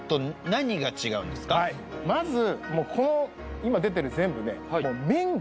まずこの今出てる全部ね